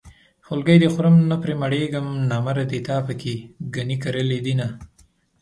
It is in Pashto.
خولګۍ دې خورم نه پرې مړېږم نامردې تا پکې ګني کرلي دينه